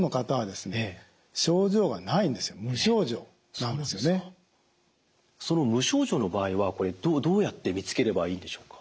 ところがその無症状の場合はこれどうやって見つければいいんでしょうか？